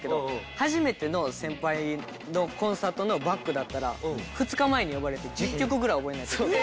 初めての先輩のコンサートのバックだったら２日前に呼ばれて１０曲ぐらい覚えないといけない。